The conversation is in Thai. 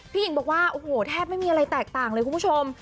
หญิงบอกว่าโอ้โหแทบไม่มีอะไรแตกต่างเลยคุณผู้ชม